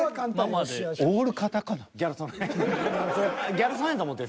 ギャルソネやと思って。